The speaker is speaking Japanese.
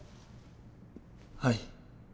はい。